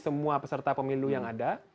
semua peserta pemilu yang ada